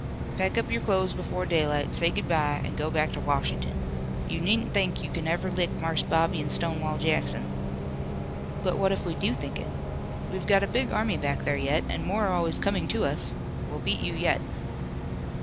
"Pack up your clothes before daylight, say good bye, and go back to Washington. You needn't think you kin ever lick Marse Bobby an' Stonewall Jackson." "But what if we do think it? We've got a big army back there yet, and more are always coming to us. We'll beat you yet."